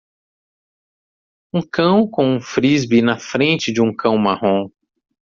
Um cão com um Frisbee na frente de um cão marrom.